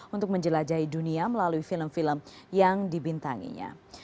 untuk menjelajahi dunia melalui film film yang dibintanginya